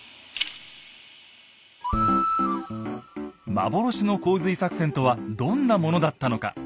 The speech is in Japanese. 幻の洪水作戦とはどんなものだったのか。